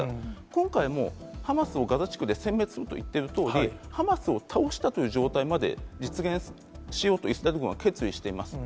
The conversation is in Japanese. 今回はもう、ハマスをガザ地区でせん滅すると言っているとおり、ハマスを倒したという状態まで実現しようとイスラム軍は決意しています。